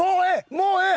もうええ！